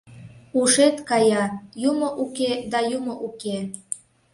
Ушет кая — «юмо уке» да «юмо уке»...